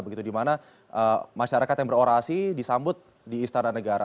begitu di mana masyarakat yang berorasi disambut di istana negara